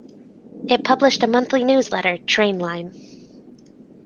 It published a monthly newsletter, "Trainline".